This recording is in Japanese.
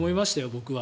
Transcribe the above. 僕は。